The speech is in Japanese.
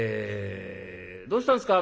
「どうしたんですか？